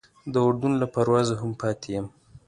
د اردن له پروازه هم پاتې یم.